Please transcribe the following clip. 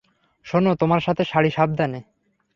শোনো তোমার সাথে শাড়ি সাবধানে।